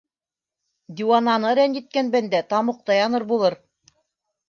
Диуананы рәнйеткән бәндә тамуҡта яныр булыр...